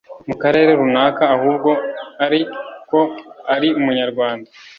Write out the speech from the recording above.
mu karere runaka ahubwo ari ko ari umunyarwanda